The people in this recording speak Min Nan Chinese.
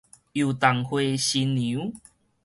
油桐花新娘